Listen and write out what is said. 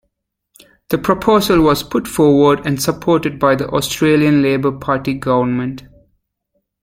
The proposal was put forward and supported by the Australian Labor Party government.